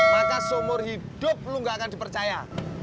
maka seumur hidup lu gak akan dipercaya